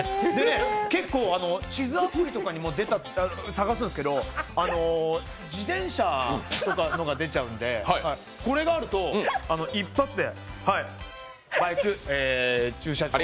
結構、地図アプリとかでも探すんですけど自転車とかのが出ちゃうんで、これがあると一発でバイク駐車場。